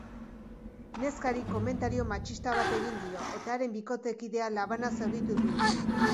Neskari komentario matxista bat egin dio, eta haren bikotekidea labanaz zauritu du.